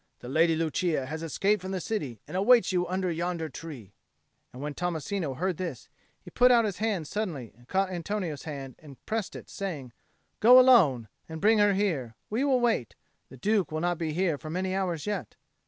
The Lady Lucia has escaped from the city, and awaits you under yonder tree." And when Tommasino heard this, he put out his hand suddenly and caught Antonio's hand and pressed it, saying, "Go alone, and bring her here: we will wait: the Duke will not be here for many hours yet."